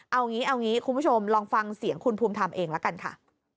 เอางี้เอางี้คุณผู้ชมลองฟังเสียงคุณภูมิธรรมเองละกันค่ะ